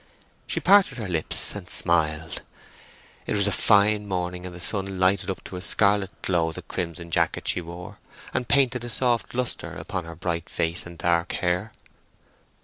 She parted her lips and smiled. It was a fine morning, and the sun lighted up to a scarlet glow the crimson jacket she wore, and painted a soft lustre upon her bright face and dark hair.